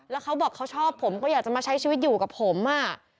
แล้วเขาบอกเขาชอบผมก็อยากจะมาใช้ชีวิตอยู่กับผมอ่ะ